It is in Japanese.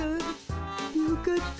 よかった。